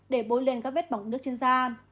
để bôi lên các vết bỏng nước trên da